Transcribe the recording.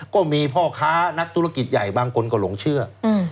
ก็มีพ่อค้านักธุรกิจใหญ่บางคนก็หลงเชื่อ